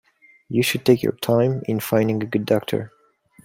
You should take your time in finding a good doctor.